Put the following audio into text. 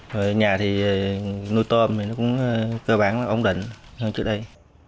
rồi nhà thì nuôi tôm thì nó cũng cơ bản ổn định hơn trước đây